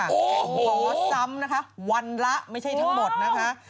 ขอซ้ำนะคะวันละไม่ใช่ทั้งหมดนะคะ